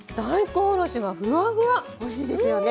おいしいですよね